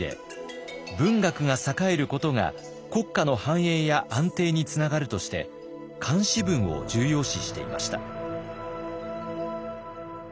文学が栄えることが国家の繁栄や安定につながるとして漢詩文を重要視していました。